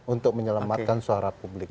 untuk menyelamatkan suara publik